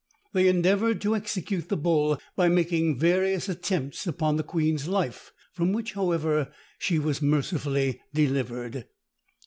They endeavoured to execute the bull by making various attempts upon the queen's life, from which, however, she was mercifully delivered.